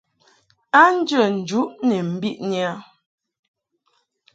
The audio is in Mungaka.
A njə njuʼ ni mbiʼni a.